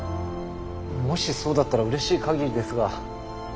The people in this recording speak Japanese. もしそうだったらうれしいかぎりですが。